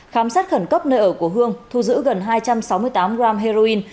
khám xét khẩn cấp nơi ở của hương thu giữ gần hai trăm sáu mươi tám gram heroin